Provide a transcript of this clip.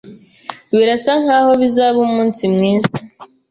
Birasa nkaho bizaba umunsi mwiza.